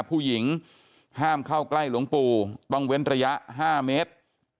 ผู้หญิงห้ามเข้าใกล้หลวงปู่ต้องเว้นระยะ๕เมตร